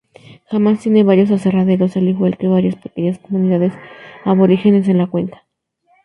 James tiene varios aserraderos al igual que varias pequeñas comunidades aborígenes en la cuenca.